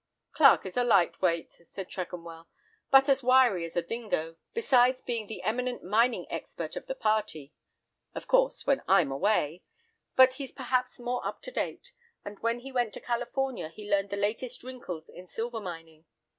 "Clarke is a light weight," said Tregonwell, "but as wiry as a dingo, besides being the eminent mining expert of the party (of course, when I'm away); but he's perhaps more up to date, as when he went to California he learned the latest wrinkles in silver mining.